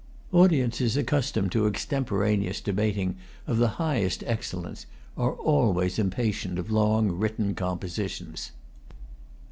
Audiences accustomed to extemporaneous debating of the highest excellence are always impatient of long written compositions.